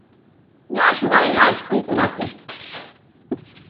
Yansh na yansh piss na piss.